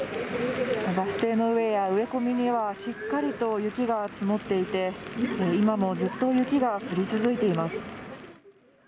バス停の上や植え込みには、しっかりと雪が積もっていて、今もずっと雪が降り続いています。